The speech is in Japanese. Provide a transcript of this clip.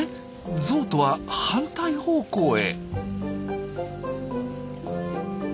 ゾウとは反対方向へ。